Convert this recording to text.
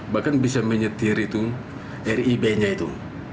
bahkan bisa menyetir itu rib nya itu